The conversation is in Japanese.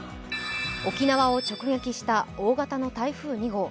沖縄を直撃した大型の台風２号。